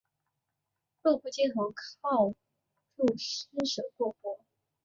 落魄街头靠著施舍过活